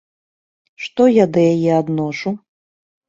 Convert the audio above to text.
Што я да яе адношу?